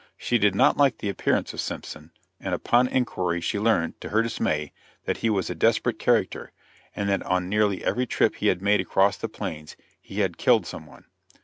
She did not like the appearance of Simpson, and upon inquiry she learned, to her dismay, that he was a desperate character, and that on nearly every trip he had made across the plains he had killed some one.